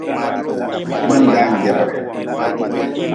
Ma-n daan jebre.